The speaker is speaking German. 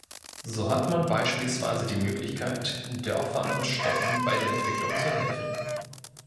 So hat man beispielsweise die Möglichkeit, Dörfern und Städten bei der Entwicklung zu helfen.